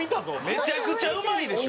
めちゃくちゃうまいでしょ！